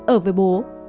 ở với bố